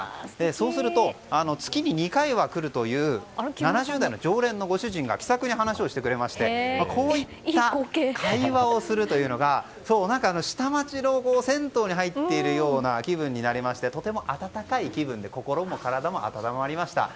そうすると月に２回は来るという７０代の常連のご主人が気さくに話してくださいましてこういった会話をするというのが下町の銭湯に入っているような気分になりましてとても温かい気分で心も体も暖まりました。